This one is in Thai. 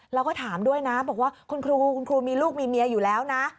แล้วก็ถามด้วยนะบอกว่าคุณครูคุณครูมีลูกมีเมียอยู่แล้วนะ